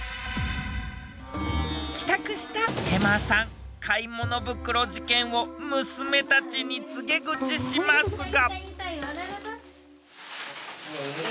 帰宅したヘマさん買い物袋事件を娘たちに告げ口しますが。